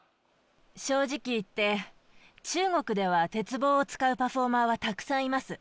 正直言って中国では鉄棒を使うパフォーマーはたくさんいます。